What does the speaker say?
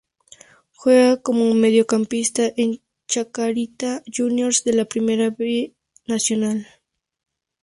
Juega como mediocampista en Chacarita Juniors de la Primera B Nacional.